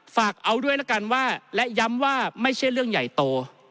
ฝากเอาด้วยละกันว่าและย้ำว่าไม่ใช่เรื่องใหญ่โต